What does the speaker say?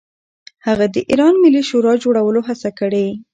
هغه د ایران ملي شورا جوړولو هڅه کړې.